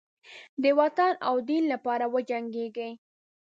د وطن او دین لپاره وجنګیږي.